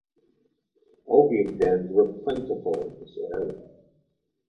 Opium dens were plentiful in this area.